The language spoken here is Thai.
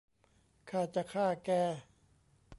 ข้าจะฆ่าแก !